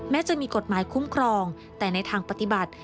จะมีกฎหมายคุ้มครองแต่ในทางปฏิบัติ